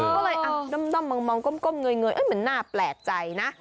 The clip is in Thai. ก็เลยด้อมมองก้มเงยมันน่าแปลกใจนะ